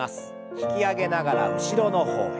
引き上げながら後ろの方へ。